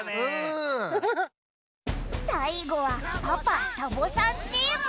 さいごはパパ＆サボさんチーム。